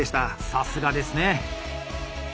さすがですね。